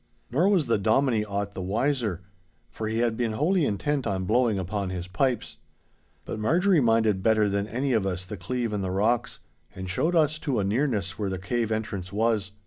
Nor was the Dominie aught the wiser. For he had been wholly intent on blowing upon his pipes. But Marjorie minded better than any of us the cleave in the rocks, and showed us to a nearness where the cave entrance was.